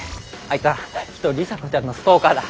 あいつはきっと里紗子ちゃんのストーカーだ。